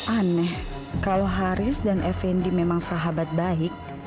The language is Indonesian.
aneh kalau haris dan effendi memang sahabat baik